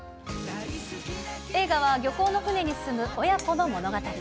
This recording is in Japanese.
映画は漁港の船に住む親子の物語。